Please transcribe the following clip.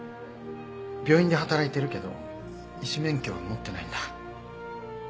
病院で働いてるけど医師免許は持ってないんだ。